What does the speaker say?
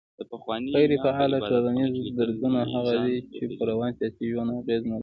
غيري فعاله ټولنيز درځونه هغه دي چي پر روان سياسي ژوند اغېز نه لري